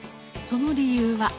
その理由は。